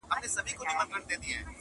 ډلي وینم د مرغیو پورته کیږي-